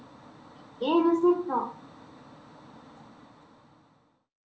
ゲームセット」。